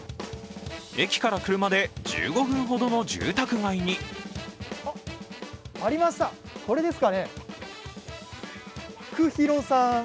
駅から車で１５分ほどの住宅街にありました、これですかね、福ひろさん。